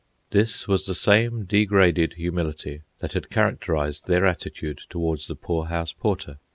This was the same degraded humility that had characterised their attitude toward the poorhouse porter.